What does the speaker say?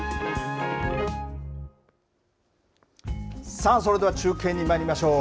さあ、それでは中継にまいりましょう。